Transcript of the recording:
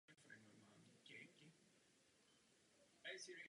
Musíme jednat a jednat inteligentně na podporu této přeměny.